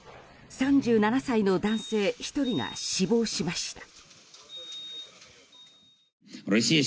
３７歳の男性１人が死亡しました。